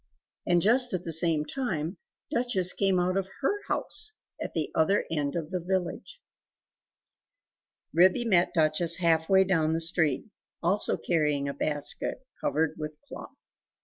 And just at the same time, Duchess came out of HER house, at the other end of the village. Ribby met Duchess half way own the street, also carrying a basket, covered with a cloth.